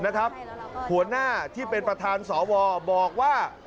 หัวหน้าที่เป็นประธานสวบอกว่า